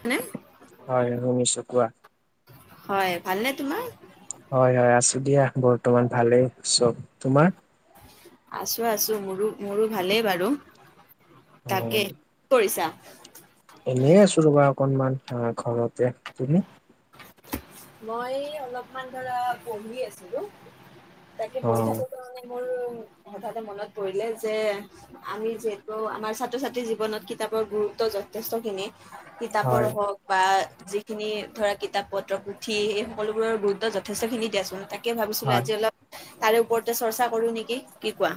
হয়নে? হয় শুনিছো কোৱা? হয়। ভালনে তোমাৰ? হয়, হয় আছো দিয়া বৰ্তমান ভালেই চব, তোমাৰ? আছো, আছো। মোৰো মোৰো ভালেই বাৰু অ তাকে। কৰিছা? এনেই আছো ৰ'বা অকনমান আ ঘৰতে, তুমি? মই অলপমান ধৰা পঢ়ি আছিলো, তাকে অ পঢ়ি থাকোতে মানে মোৰ হঠাৎ মনত পৰিলে যে আমি যিহেতু আমাৰ ছাত্ৰ-ছাত্ৰীৰ জীৱনত কিতাপৰ গুৰুত্ব যথেষ্টখিনি। কিতাপৰ হয় হওঁক বা যিখিনি ধৰা কিতাপ পত্ৰ উঠি এই সকলোবোৰৰ গুৰুত্ব যথষ্টখিনি দিয়াচোন, তাকে ভাবিছিলো হয় আজি অলপ তাৰে ওপৰতে চৰ্চা কৰো নিকি?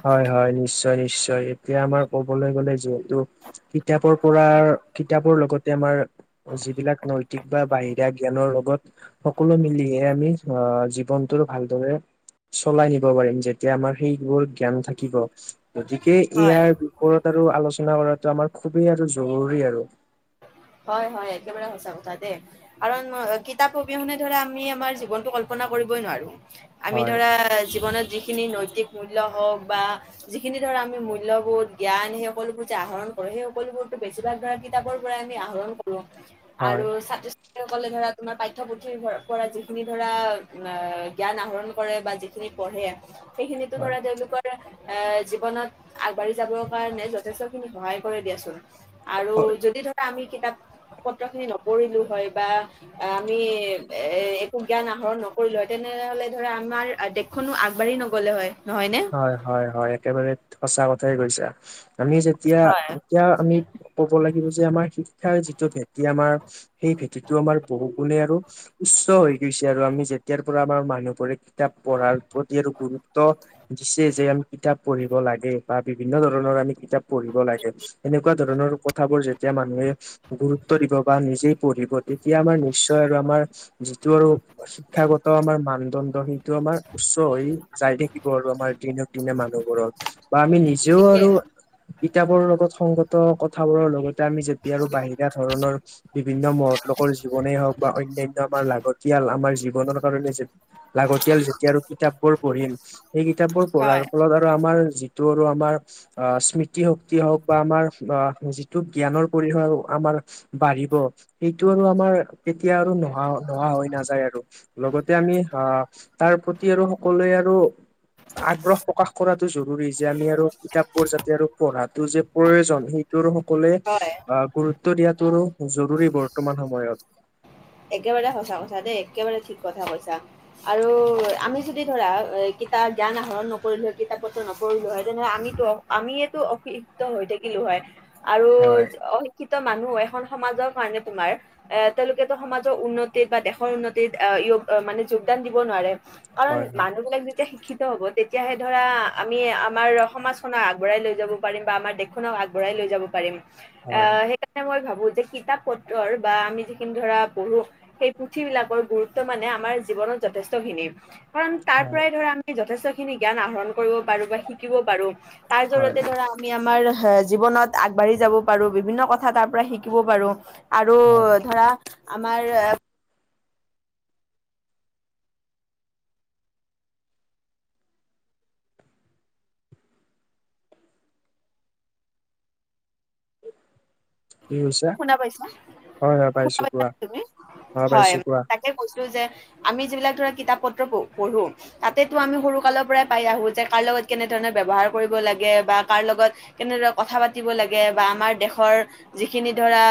হয়, হয় নিশ্চয় নিশ্চয়। এতিয়া আমাৰ ক'বলৈ গ'লে যিহেতু কিতাপৰ পৰা কিতাপৰ লগতে আমাৰ যিবিলাক নৈতিক বা বাহিৰা জ্ঞানৰ লগত সকলো মিলিহে আমি আহ জীৱনটো ভালদৰে চলাই নিব পাৰিম যেতিয়া আমাৰ সেইবোৰ জ্ঞান থাকিব। গতিকে হয় ইয়াৰ ওপৰত আৰু আলোচনা কৰাটো আমাৰ খুবেই আৰু জৰুৰী আৰু। হয়, হয় একেবাৰে সঁচা কথা দে। কাৰণ আ কিতাপ অবিহনে ধৰা আমি আমাৰ জীৱনটো কল্পনা কৰিবই নোৱাৰো। আমি হয়, ধৰা জীৱনত যিখিনি নৈতিকমূল্য হওঁক বা যিখিনি ধৰা আমি মূল্যবোধ জ্ঞান সকলোবোৰ যে আহৰণ কৰো, সেই সকলোবোৰতো বেছিভাগ ধৰা কিতাপৰ পৰা আহৰণ কৰো। হয়, আৰু ছাত্ৰ-ছা ত্ৰী সকলে ধৰা তোমাৰ পাঠ্যপুথিৰ পৰা যিখিনি ধৰা অ জ্ঞান আহৰণ কৰে বা যি সেইখিনি পঢ়ে সেইখিনিতো হয়, ধৰা তেওঁলোকৰ এ জীৱনত আগবাঢ়ি যাবৰ কাৰণে যথেষ্টখিনি সহায় কৰে দিয়াচোন। আৰু হয়, যদি ধৰা আমি কিতাপ পত্ৰখিনি নপঢ়িলো হয় বা আমি এ একো জ্ঞান আহৰণ নকৰিলো হয়, তেনেহ'লে ধৰা আমাৰ কোনো আগবাঢ়ি নগ'লে হয় নহয় নে? হয় হয় হয় একেবাৰে সঁচা কথাই কৈছা, আমি যেতিয়া হয়। এতিয়া আমি ক'ব লাগিব যে আমাৰ শিক্ষাৰ যিটো ভেদ এতিয়া আমাৰ সেই ভেটিটো আমাৰ বহু গুণে আৰু উচ্চ হৈ গিছে আৰু আমি যেতিয়াৰ পৰা আমাৰ মানুহবোৰে কিতাপ পঢ়াৰ প্ৰতি আৰু গুৰুত্ব চে যে আমি কিতাপ পঢ়িব লাগে বা বিভিন্ন ধৰণৰ আমি কিতাপ পঢ়িব লাগে সেনেকুৱা ধৰণৰ কথাবোৰ যেতিয়া মানুহে গুৰুত্ব দিব বা নিজেই পঢ়িব তেতিয়া আমাৰ নিশ্চয় আৰু আমাৰ যিটো আৰু শিক্ষাগত আমাৰ মানদণ্ড সেইটো আমাৰ উচ্চ হৈ যায় দেখি ব আৰু আমাৰ দিনক দিনে মানুহবোৰক বা আমি নিজেও ঠিকে আৰু কিতাপৰ লগত সংগত কথাবোৰৰ লগতে আমি যেতিয়া আৰু বাহিৰা ধৰণৰ বিভিন্ন মহৎ লোকৰ জীৱনেই হওঁক বা অন্যয়ান্য আমাৰ লাগতিয়াল আমাৰ জীৱনৰ কাৰণে লাগতিয়াল যেতিয়া আৰু কিতাপ বোৰ পঢ়িম সেই কিতাপবোৰ পঢ়াৰ হয় ফলত আৰু আমাৰ যিটো আৰু আমাৰ আহ স্মৃতিশক্তি হওক বা আমাৰ আহ যিটো জ্ঞানৰ পৰিসৰ আমাৰ বাঢ়িব সেইটো আৰু আমাৰ তেতিয়া আৰু নোহোৱা নোহোৱা হৈ নাযায় আৰু লগতে আমি অ তাৰ প্ৰতি আৰু সকলোৱে আৰু আগ্ৰহ প্ৰকাশ কৰাটো জৰুৰী যে আমি আৰু কিতাপবোৰ যাতে আৰু পঢ়াটো যে প্ৰয়োজন সেই ত সকলোৱে হয়। আহ গুৰুত্ব দিয়াতটো জৰুৰী বৰ্তমান সময়ত। একেবাৰে সঁচা কথা দেই একেবাৰে ঠিক কথা কৈছা। আৰু আমি যদি ধৰা কিতাপ জ্ঞান আহৰণ নকৰিলোঁ হয় কিতাপ পত্ৰ নপৰিলোঁ হয় তেনেহ'লে আমিতো। আমিয়েতো অশিক্ত হৈ থাকিলো হয়। আৰু হয় অশিক্ষিত মানুহ এখন সমাজৰ কাৰণে তোমাৰ এ তেওঁলোকে। সমাজৰ উন্নতিত বা দেশৰ উন্নতিত অ মানে যোগদান দিব নোৱাৰে। কাৰণ হয় হয় মানুহ বিলাক যেতিয়া শিক্ষি শিক্ষিত হব তেতিয়াহে ধৰা আমি আমাৰ সমাজখনক আগবঢ়াই লৈ যাব পাৰিম বা আমাৰ। খনক আগবঢ়াই লৈ যাব পাৰিম। অ হয়। সেইকাৰণে মই ভাবো যে কিতাপ পত্ৰৰ বা আমি যিখিনি ধৰা। পঢ়ো সেই পুথি বিলাকৰ গুৰুত্ব মানে আমাৰ জীৱনত যথেষ্টখিনি। কাৰণ তাৰ হয় পৰাই ধৰা আমি যথেষ্ট খিনি জ্ঞান আহৰণ কৰিব পাৰো বা শিকিব পাৰো। তাই হয় জৰতে ধৰা আমি আমাৰ জীৱনত আগবাঢ়ি যাব পাৰো বিভিন্ন কথা তাৰ পৰা শিকিব পাৰো আৰু। হয় ধৰা আমাৰ কি কৈছা? শুনা পাইছা হয় হয় শুনা পাইছো পাইছা কোৱা, তুমি হয় পাইছো কোৱা, তাকে কৈছো যে। আমি যিবিলাক ধৰা কিতাপ পত্ৰ প পঢ়ো। তাতেতো আমি সৰু কালৰ পৰাই পাই আহো যে কাৰ লগত কেনে ধৰণে ব্যৱহাৰ কৰিব লাগে বা কাৰ লগত। কেনেদৰে কথা পাতিব লাগে বা আমাৰ দেশৰ যি খিনি ধৰা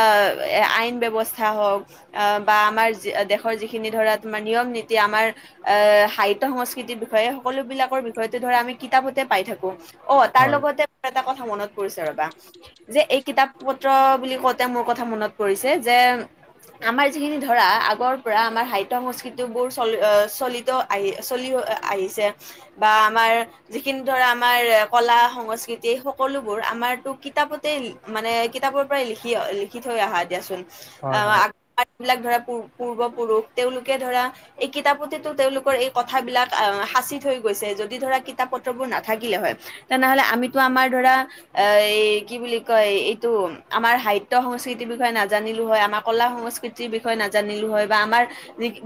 আইন ব্যৱস্থা হওক আহ বা আমাৰ দেশৰ যিখিনি ধৰা তোমাৰ নিয়ম নীতি আমাৰ। আহ সাহিত্য সংস্কৃতিৰ বিষয়ে সকলো বিলাকৰ বিষয়ে ধৰা আমি কিতাপতে পাই থাকো। অ তাৰ হয় লগতে এটা কথা মনত পৰিছে ৰবা যে এই কিতাপ পত্ৰ। বুলি কওঁতে মোৰ কথা মনত পৰিছে যে। আমাৰ যিখিনি ধৰা আগৰ পৰা আমাৰ সাহিত্যয় সংস্কৃতি বোৰ চলি অ চলি। ত আহি চলি আহিছে বা আমাৰ। যিখিনি ধৰা আমাৰ কলা সংস্কৃতি সকলোবোৰ আমাৰতো কিতাপতেই মানে কিতাপৰ। ই লিখি লিখি থৈ আহা দিয়াচোন হয় হয় আহ। ইবিলাক ধৰা প পূৰ্ব পুৰুষ তেওঁলোকে ধৰা এই কিতাপতেতো তেওঁলোকৰ এই কথাবিলাক আহ সাঁচি থৈ গৈছে যদি ধৰা কিতাপ পত্ৰবোৰ নাথাকিলে হয়। তেনেহ'লে আমিতো আমাৰ ধৰা এ কি বুলি কয় এইটো আমাৰ সাহিত্য সংস্কৃতিৰ বিষয়ে নাজানিলো হয় আমাৰ কলা সংস্কৃতিৰ বিষয়ে নাজানিলো হয় বা আমাৰ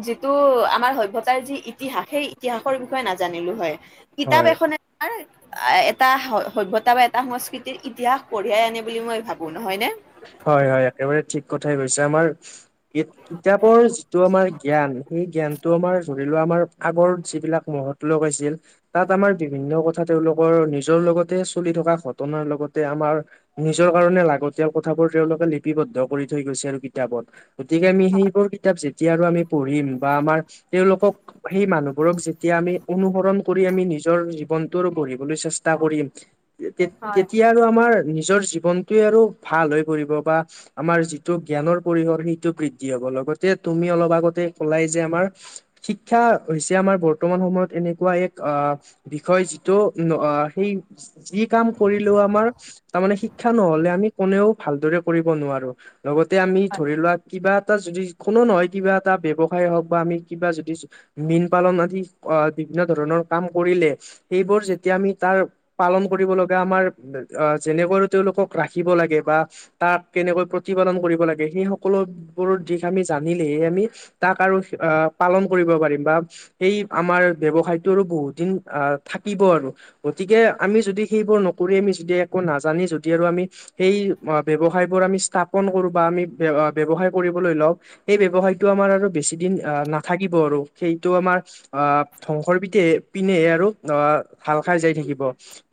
যিটো আমাৰ সভ্য়তাৰ যি ইতিহাস সেই ইতিহাসৰ বিষয়ে নাজানিলো হয়। কিতাপ হয় এখনে এটা সভ্য়তা বা এটা সংস্কৃতিৰ ইতিহাস কঢ়িয়াই আনে বুলি মই ভাবো। কোন হয়নে হয় হয় একেবাৰে ঠিক কথাই কৈছে আমাৰ কিতাপৰ যিটো আমাৰ জ্ঞান সেই জ্ঞান। টো আমাৰ ধৰি লোৱা আমাৰ আগৰ যিবিলাক মহত লোক আছিল তাত আমাৰ বিভিন্ন কথা তেওঁলোকৰ নিজৰ লগতে চলি থকা ঘটনাৰ লগতে আমাৰ নিজৰ কাৰণে লাগত নিজৰ কথাবোৰ তেওঁলোকে লিপিবদ্ধ কৰি থৈ গৈছে আৰু কিতাপত গতিকে আমি সেইবোৰ কিতাপ এতিয়া আৰু আমি পঢ়িম বা আমাৰ তেওঁলোকক সেই মানুহবোৰক যেতিয়া আমি অনুসৰণ কৰি আমি নিজৰ জীৱনটো গঢ়িবলৈ চেষ্টা কৰিম। তে হয় তেতিয়া আৰু আমাৰ নিজৰ জীৱনটোৱে আৰু ভাল হৈ পৰিব বা আমাৰ যিটো জ্ঞানৰ পৰিসৰ সেইটো বৃদ্ধি হ'ব লগতে তুমি অলপ আগতে কলাই যে আমাৰ শিক্ষা হৈছে আমাৰ বৰ্তমান সময়ত এনেকুৱা এক আহ বিষয় যিটো ন আ সেই যি কাম কৰিলেও আমাৰ তাৰমানে শিক্ষা নহলে আমি কোনেও ভালদৰে কৰিব নোৱাৰো লগতে আমি ধৰি লোৱা কিবা এটা যদি কোনো নহয় কিবা এটা ব্যৱসায় হওঁক বা আমি কিবা যদি মীন পালন আদি আহ বিভিন্ন ধৰণৰ কাম কৰিলে। সেইবোৰ যেতিয়া আমি তাৰ পালন কৰিব লগা আমাৰ যেনেকৈ তেওঁলোকক ৰাখিব। শিকিব লাগে বা তাক কেনেকৈ প্ৰতিপালন কৰিব লাগে সেই সকলোবোৰ দিশ আমি জানিলেই আমি তাক আৰু পালন কৰিব পাৰিম বা সেই আমাৰ ব্যৱসায়টো আৰু বহুত দিন আহ থাকিব আৰু। গতিকে আমি যদি সেইবোৰ নকৰি আমি যেতিয়া একো নাজানি যদি আৰু আমি সেই ব্যৱসায় বোৰ আমি স্থাপন কৰো বা আমি ব্যৱসায় কৰিবলৈ লও। সেই ব্যৱসায়টো আমাৰ আৰু বেছি দিন আহ নাথাকিব আৰু সেইটো আমাৰ অঁ ধ্বংসৰ পিঠে পিনে আৰু অ ঢাল খাই যাই থাকিব।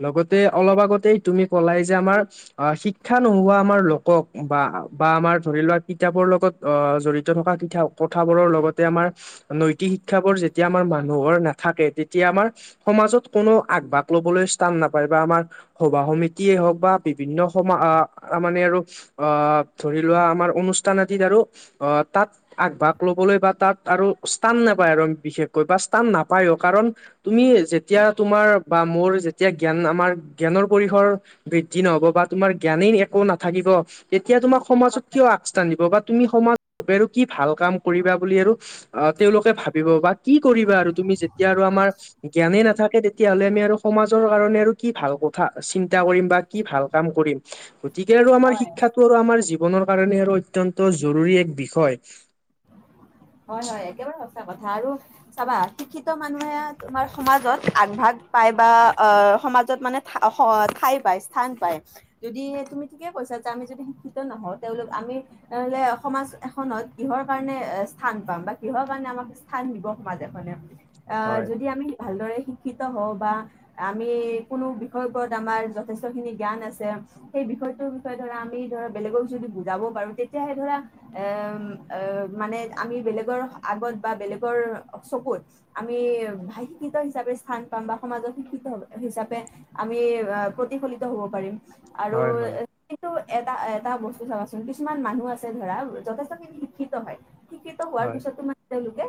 লগতে অলপ আগতেই তুমি কলাই যে আমাৰ অ শিক্ষা নোহোৱা আমাৰ লোকক বা বা আমাৰ ধৰি লোৱা কিতাপৰ লগত অ জড়িত থকা পিঠাও। কথাবোৰৰ লগতে আমাৰ নৈতিক শিক্ষাবোৰ যেতিয়া আমাৰ মানুহৰ নাথাকে তেতিয়া আমাৰ সমাজত কোনো আগভাগ ল'বলৈ স্থান নাপায় বা আমাৰ সভা সমিতিয়ে হওঁক বা ভিন্ন সময় আহ মানে আৰু আহ ধৰি লোৱা আমাৰ অনুষ্ঠান আদিত আৰু অঁ তাত আগভাগ ল'বলৈ বা তাত আৰু ওস্থান নাপায় আৰু বিশেষকৈ বা স্থান নাপায়ো কাৰণ তুমি যেতি যেতিয়া তোমাৰ বা মোৰ যেতিয়া জ্ঞান আমাৰ জ্ঞানৰ পৰিসৰ বৃদ্ধি নহ'ব তি বা তোমাৰ জ্ঞানেই একো নাথাকিব তেতিয়া তোমাৰ সমাজত কিয় আগস্থান দিব বা তুমি সমাজ [unintelligible] আৰু কি ভাল কাম কৰিবা বুলি আৰু। অ তেওঁলোকে ভাবিব বা কি কৰিবা আৰু তুমি যেতিয়া আৰু আমাৰ জ্ঞানে নাথাকে তে তিয়াহ'লে আমি আৰু সমাজৰ কাৰণে আৰু কি ভাল কথা চিন্তা কৰিম বা কি ভাল কাম কৰিম। গতিকে আৰু আমাৰ হয় শিক্ষাটো আৰু আমাৰ জীৱনৰ কাৰণে আৰু অত্যন্ত জৰুৰী এক বিষয়। হয় হয় একেবাৰে সঁচা কথা আৰু চাবা শিক্ষিত মানুহে আমাৰ সমাজত আগভাগ পায় বা অ সমাজত মানে ঠাই পায় স্থান পায়। যদিহে তুমি ঠিকে কৈছা যে আমি আমি শিক্ষিত নহওঁ তেওঁলোক আমি সমাজ এখনত কিহৰ কাৰণে স্থান পাম বা কিহৰ কাৰণে আমাক স্থান দিব সমাজ এখনে আ হয় যদি আমি ভালদৰে শিক্ষিত হওঁ বা। আমি কোনো বিষয় ওপৰত আমাৰ যথেষ্ট খিনি জ্ঞান আছে। সেই বিষয়টোৰ বিষয়ে ধৰা আমি ধৰা বেলেগক যদি বুজাব পাৰোঁ তেতিয়াহে ধৰা। এ এ মানে আমি বেলেগৰ আগত বা বেলেগৰ চকুত। আমি [unintelligible] হিচাপে স্থান পাম বা সমাজত শিক্ষিত হিচাপে আমি প্ৰতিফলিত হ'ব পাৰিম আৰু হয় হয় এ কিন্তু এটা এটা বস্তু চাবাচোন কিছুমান মানুহ আছে ধৰা যথেষ্ট খিনি শিক্ষিত হয়। শিক্ষিত হোৱাৰ পিছতো মানে তেওঁলোকে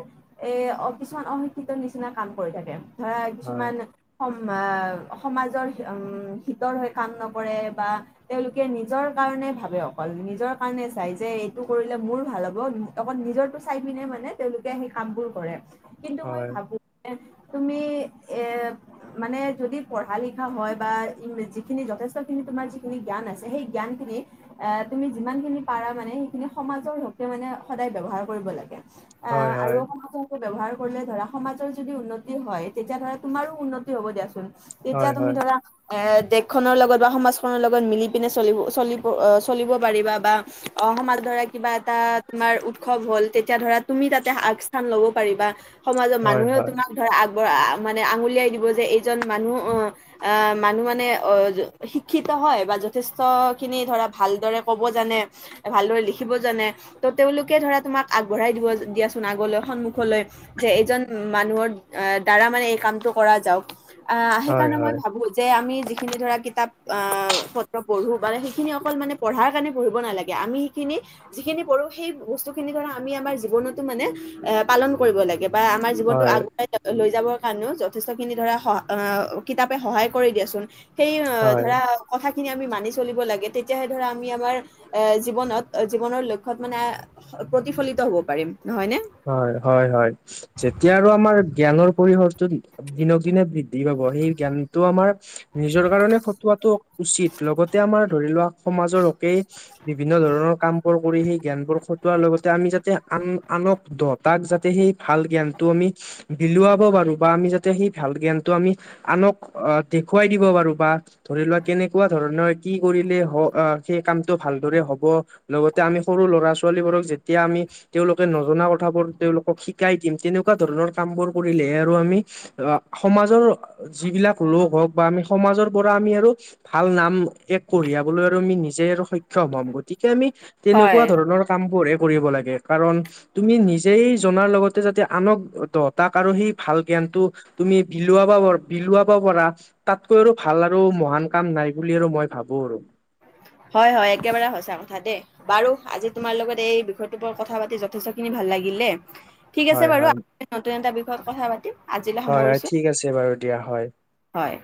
এ অ কিছুমান অশিক্ষিত নিচিনা কাম কৰি থাকে। ধৰা হয় কিছুমান। সম আ সমাজৰ শিক্ষিতৰ হৈ কাম নকৰে বা তেওঁলোকে নিজৰ কাৰণে ভাবে অকল নিজৰ কাৰণে চাই যে এইটো কৰিলে মোৰ ভাল হ'ব অকল নিজৰটো চাই পিনে মানে তেওঁলোকে সেই কাম বোৰ কৰে কিন্তু মই হয় ভাবো তুমি এ মানে যদি পঢ়া লিখা হয় বা যিখিনি যথেষ্টখিনি তোমাৰ যিখিনি জ্ঞান আছে সেই জ্ঞানখিনি এ তুমি যিমান খিনি পাৰা মানে সেইখিনি সমাজৰ হকে মানে সদায় ব্যৱহাৰ কৰিব লাগে আ হয় আৰু হয় [unintelligible] ব্যৱহাৰ কৰিলে ধৰা সমাজৰ যদি উন্নতি হয় তেতিয়া ধৰা তোমাৰো উন্নতি হ'ব দিয়াচোন হয় তেতিয়া হয় তুমি হয় ধৰা এ দেশখনৰ লগত বা সমাজখনৰ লগত মিলি পিনে চলিব চলিব চলিব পাৰিবা বা অ' সমাজ ধৰা কিবা এটা তোমাৰ উৎসৱ হ'ল তেতিয়া ধৰা তুমি তাতে আগস্থান ল'ব পাৰিবা সমাজৰ হয় মানুহেও তোমাক ধৰা আগবঢ় মানে আঙুলিয়াই দিব যে এইজন মানুহ অ' আ মানুহ মানে শিক্ষিত হয় বা যথেষ্টখিনি ধৰা ভালদৰে ক'ব জানে ভালদৰে লিখিব জানে ত তেওঁলোকে ধৰা তোমাক আগবঢ়াই দিব দিয়াচোন আগলৈ সন্মুখলৈ যে এজন মানুহৰ আ দ্বাৰা মানে এই কামটো কৰা যাওক আহ হয় সেইকাৰণে হয় মই ভাবো যে আমি যিখিনি ধৰা কিতাপ অ পত্ৰ পঢ়ো মানে সেইখিনি অকল মানে পঢ়াৰ কাৰণে পঢ়িব নালাগে। আমি সেইখিনি যিখিনি পঢ়ো সেই বস্তু খিনি ধৰা আমি আমাৰ জীৱনতো মানে এ পালন কৰিব লাগে বা আমাৰ জীৱনটো হয় আগুৱাই লৈ যাবৰ কাৰণেও যথেষ্ট খিনি ধৰা স কিতাপে সহায় কৰি দিয়াচোন সেই অ হয় ধৰা কথাখিনি আমি মানি চলিব লাগে তেতিয়াহে ধৰা আমি আমাৰ এ জীৱনত জীৱনৰ লক্ষ্যত মানে প্ৰতিফলিত হব পাৰিম নহয় নে হয় হয় হয় যেতিয়া আৰু আমাৰ জ্ঞানৰ পৰিসৰটো দিনক দিনে বৃদ্ধি পাব সেই জ্ঞানটো আমাৰ নিজৰ কাৰণে খটোৱাটো উচিত লগতে আমাৰ ধৰি লোৱা সমাজৰ হকেই বিভিন্ন ধৰণৰ কাম বোৰ কৰি সেই জ্ঞানবোৰ খটোৱাৰ লগতে আমি যাতে আন আনক দতাক যাতে সেই ভাল জ্ঞানটো আমি বিলুৱাব পাৰো বা আমি যাতে সেই ভাল জ্ঞানটো আমি আনক অ দেখুৱাই দিব পাৰো বা ধৰি লোৱা কেনেকুৱা ধৰণৰ কি কৰিলে হ সেই কামটো ভালদৰে হ'ব। লগতে আমি সৰু ল'ৰা-ছোৱালীবোৰক যেতিয়া আমি তেওঁলোকে নজনা ক থাবোৰ তেওঁলোকক শিকাই দিম তেনেকুৱা ধৰণৰ কাম বোৰ কৰিলেহে আ আমি সমাজৰ যিবিলাক লোক হওঁক বা আমি সমাজৰ পৰা আমি আৰু ভাল নাম এক কঢ়িয়াবলৈ আৰু আমি নিজে আৰু সক্ষম হম, গতিকে আমি হয়। তেনেকুৱা ধৰণৰ কামবোৰ হে কৰিব লাগে কাৰণ তুমি নিজেই জনাৰ লগতে যাতে আনক দব তাক আৰু সেই ভাল জ্ঞানটো তুমি বিলুৱা বৰ বিলুৱ পাৰা তাতকৈ আৰু ভাল আৰু মহান কাম নাই বুলি আৰু মই ভাবো আৰু। হয় হয় একেবাৰে সঁচা কথা দে। বাৰু আজি তোমাৰ লগত এই বিষয়টো ওপ কথা পাতি যথেষ্টখিনি ভাল লাগিল দে। ঠিক আছে হয় বাৰু আ হয় নতুন এটা বিষয়ত কথা পাতিম। আজিলৈ হয় হয় সামৰিছো ঠিক আছে বাৰু দিয়া হয়। হয়।